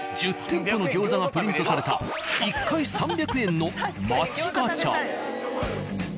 １０店舗の餃子がプリントされた１回３００円の街ガチャ。